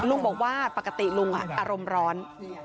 ลุงบอกว่าปกติลุงอารมณ์ร้อน